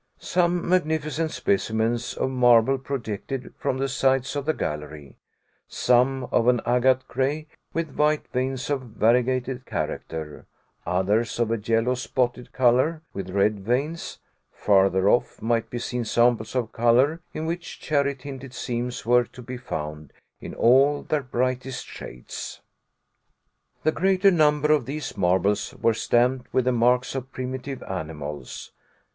Some magnificent specimens of marble projected from the sides of the gallery: some of an agate grey with white veins of variegated character, others of a yellow spotted color, with red veins; farther off might be seen samples of color in which cherry tinted seams were to be found in all their brightest shades. The greater number of these marbles were stamped with the marks of primitive animals.